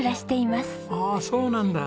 ああそうなんだ。